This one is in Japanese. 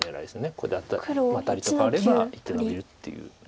これでアタリと換われば１手のびるっていう。